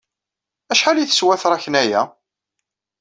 Acḥal ay teswa tṛakna-a?